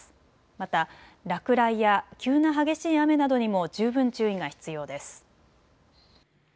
また落雷や急な激しい雨などにも十分注意が必要です。